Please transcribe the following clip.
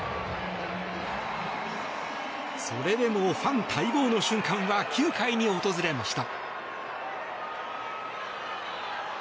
それでもファン待望の瞬間は９回に訪れました。